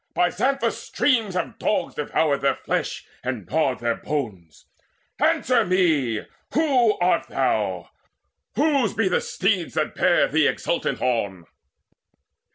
By Xanthus' streams have dogs devoured their flesh And gnawed their bones. Answer me, who art thou? Whose be the steeds that bear thee exultant on?"